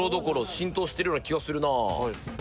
浸透してるような気がするなあはい